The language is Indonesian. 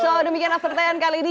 jadi demikian aftertell an kali ini